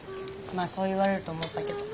まあそう言われると思ったけど。